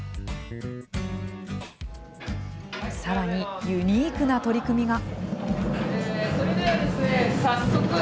さらに、ユニークな取り組みが。